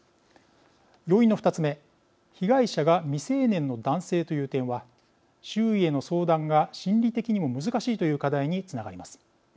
要因の２つ目被害者が未成年の男性という点は周囲への相談が心理的にも難しいという課題につながります。